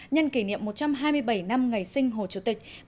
nhân kỷ niệm một trăm hai mươi bảy năm ngày sinh hồ chủ tịch